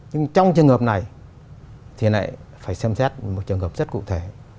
nhưng trong trường hợp này thì lại phải xem xét một trường hợp rất cụ thể